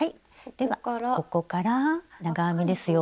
ではここから長編みですよ。